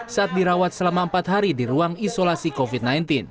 saat dirawat selama empat hari di ruang isolasi covid sembilan belas